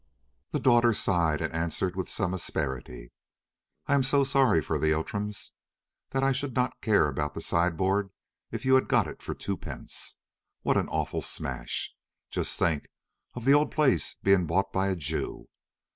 The daughter sighed and answered with some asperity. "I am so sorry for the Outrams that I should not care about the sideboard if you had got it for twopence. What an awful smash! Just think of the old place being bought by a Jew!